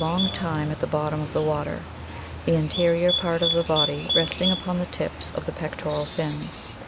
long time at the bottom of the water, the anterior part of the body resting upon the tips of the pectoral fins.